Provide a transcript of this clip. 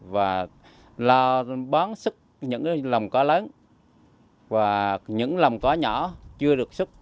và lo bán sức những lòng có lớn và những lòng có nhỏ chưa được sức